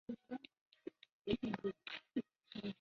后来他毕业于东京高等工业学校化学科。